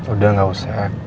udah gak usah